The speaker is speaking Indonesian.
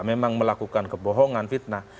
memang melakukan kebohongan fitnah